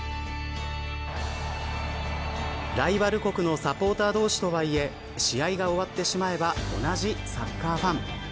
ライバル国のサポーター同士とはいえ試合が終わってしまえば同じサッカーファン。